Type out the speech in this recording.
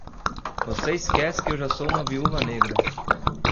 Você esquece que eu já sou uma viúva negra.